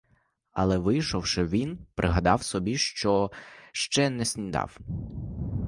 Але, вийшовши, він пригадав собі, що ще не снідав.